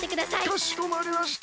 かしこまりました。